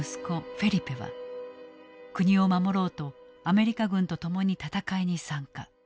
フェリペは国を守ろうとアメリカ軍と共に戦いに参加。